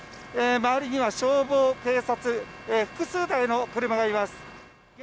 周りには消防、警察複数台の車がいます。